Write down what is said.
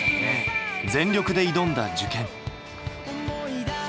全力で挑んだ受験。